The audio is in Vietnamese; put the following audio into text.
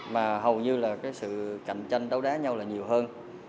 mà hầu như là cái sự cạnh tranh đấu đá nhau là nhiều hơn